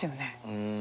うん。